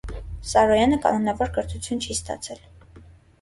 Սարոյանը կանոնավոր կրթություն չի ստացել։